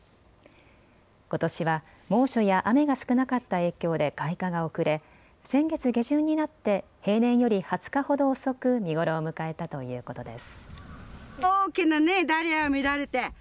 ことしは猛暑や雨が少なかった影響で開花が遅れ、先月下旬になって平年より２０日ほど遅く見頃を迎えたということです。